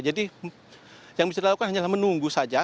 jadi yang bisa dilakukan hanya menunggu saja